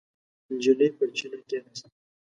نجلۍ پر چینه کېناسته.